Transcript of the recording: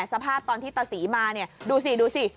สภาพตอนที่ตะศรีมาดูสิ